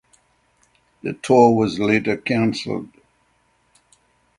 The tour was later cancelled.